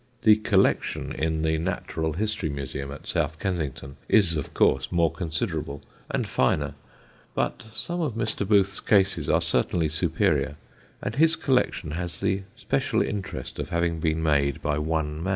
The collection in the Natural History Museum at South Kensington is of course more considerable, and finer, but some of Mr. Booth's cases are certainly superior, and his collection has the special interest of having been made by one man.